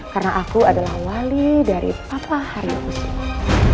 karena aku adalah wali dari papa hario kusuma